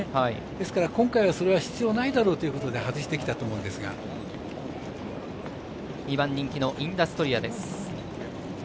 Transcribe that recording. ですから、今回はそれは必要ないだろうということで２番人気のインダストリアです。